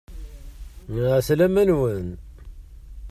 Ɛeslama-nwen!